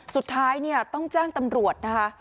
สุดท้ายเนี่ยต้องแจ้งตำรวจนะคะ